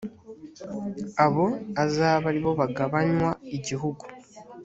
abo azabe ari bo bagabanywa igihugu